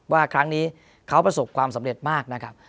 ว่าครั้งนี้เขาประสบความสำเร็จมากนะครับ